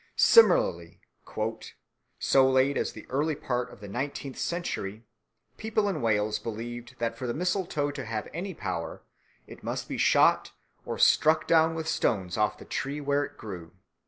Similarly, "so late as the early part of the nineteenth century, people in Wales believed that for the mistletoe to have any power, it must be shot or struck down with stones off the tree where it grew."